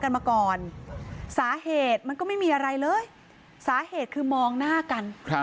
กันมาก่อนสาเหตุมันก็ไม่มีอะไรเลยสาเหตุคือมองหน้ากัน